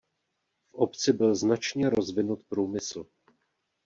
V obci byl značně rozvinut průmysl.